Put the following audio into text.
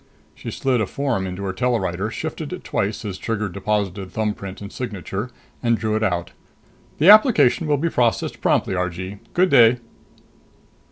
She slid a form into her telewriter, shifted it twice as Trigger deposited thumbprint and signature and drew it out. "The application will be processed promptly, Argee. Good day."